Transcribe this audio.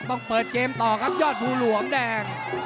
ต้องเปิดเกมต่อครับยอดภูหลวงแดง